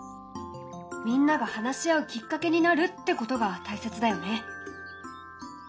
みんなが話し合うきっかけになるってことが大切だよね。